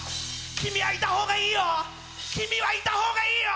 君はいたほうがいいよ！